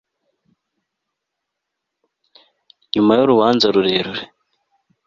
Nyuma yurubanza rurerure